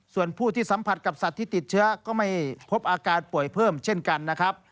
ส่วนผู้ที่สัมผัสกับสัตว์ที่ติดเชื้อก็ไม่พบอาการป่วยเพิ่มเช่นกันนะครับ